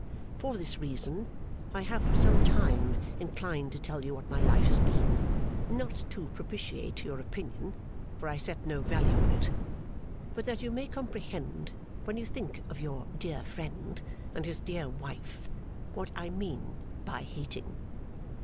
For this reason I have for some time inclined to tell you what my life has been not to propitiate your opinion, for I set no value on it; but that you may comprehend, when you think of your dear friend and his dear wife, what I mean by hating.